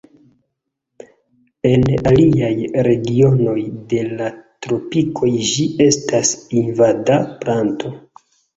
En aliaj regionoj de la Tropikoj ĝi estas invada planto.